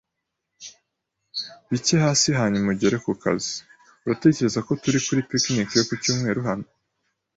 Bike hasi hanyuma ugere ku kazi. Uratekereza ko turi kuri picnic yo ku cyumweru hano?